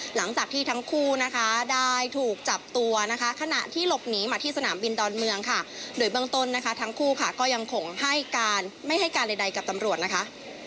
หลังจากที่ทั้งคู่นะคะได้ถูกจับตัวนะคะขณะที่หลบหนีมาที่สนามบินดอนเมืองค่ะโดยเบื้องต้นนะคะทั้งคู่ค่ะก็ยังคงให้การไม่ให้การใดกับตำรวจนะคะ